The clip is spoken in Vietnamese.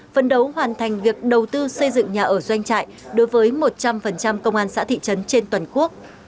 phân đấu hoàn thành việc đầu tư xây dựng nhà ở doanh trại đối với một trăm linh công an xã thị trấn trên toàn quốc